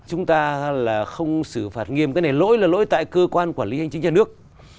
chúng ta là không xử phạt nghiêm cái này lỗi là lỗi tại cơ quan quản lý hành chính nhà nước